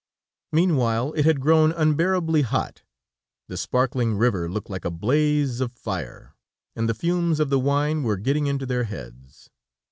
Meanwhile it had grown unbearably hot, the sparkling river looked like a blaze of fire, and the fumes of the wine were getting into their heads.